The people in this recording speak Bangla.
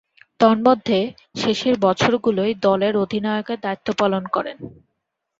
তন্মধ্যে, শেষের বছরগুলোয় দলের অধিনায়কের দায়িত্ব পালন করেন।